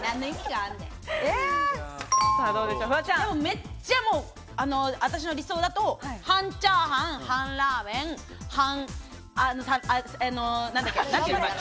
めっちゃ私の理想だと、半チャーハン半ラーメン半、なんだっけ？